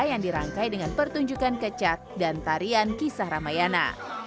yang dirangkai dengan pertunjukan kecat dan tarian kisah ramayana